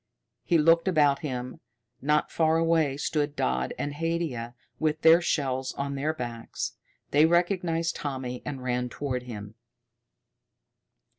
He looked about him. Not far away stood Dodd and Haidia, with their shells on their backs. They recognized Tommy and ran toward him.